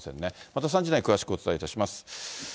また３時台に詳しくお伝えいたします。